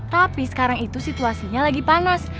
tapi sekarang itu situasinya lagi panas